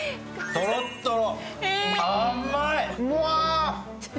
とろっとろ！